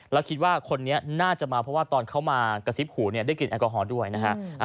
แล้วคิดว่าคนนี้น่าจะมาเพราะว่าตอนเขามากระซิบหูได้กลิ่นแอลกอฮอล์ด้วยนะฮะ